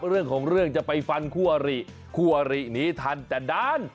เรื่องของเรื่องจะไปฟันคู่อริคู่อริหนีทันแต่ด้าน